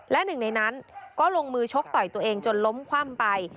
และหนึ่งในนั้นก็ลงมือชกต่อยตัวเองจนล้มคว่ำไป